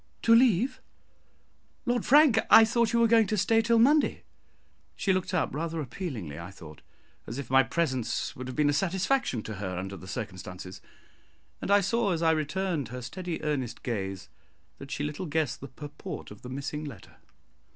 "To leave, Lord Frank! I thought you were going to stay till Monday." She looked up rather appealingly, I thought, as if my presence would have been a satisfaction to her under the circumstances; and I saw, as I returned her steady earnest gaze, that she little guessed the purport of the missing letter.